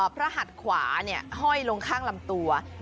พระหัสขวาเนี่ยห้อยลงข้างลำตัว